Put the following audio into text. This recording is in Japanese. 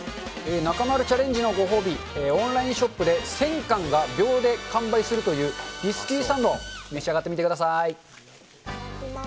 中丸チャレンジのご褒美、オンラインショップで１０００缶が秒で完売するというビスキュイサンド、召し上がってみてください。